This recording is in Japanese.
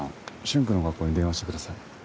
瞬くんの学校に電話してください。